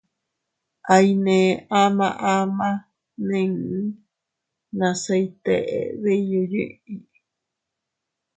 Aiynee ama ama nii nase iyteʼe diyu yiʼi.